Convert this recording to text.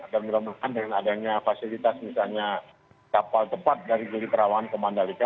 dan dengan adanya fasilitas misalnya kapal tepat dari giri terawangan ke mandalika